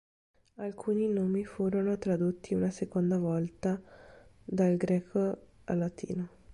Alcuni nomi furono tradotti una seconda volta dla greco al latino.